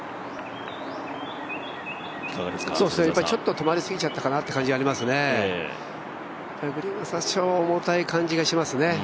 ちょっと止まり過ぎちゃったかなという感じがありましたね。